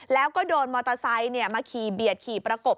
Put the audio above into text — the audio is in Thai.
แล้วก็โดนมอเตอร์ไซค์มาขี่เบียดขี่ประกบ